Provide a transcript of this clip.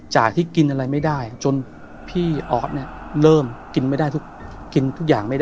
จากที่กินอะไรไม่ได้จนพี่ออสเริ่มกินไม่ได้ทุกอย่าง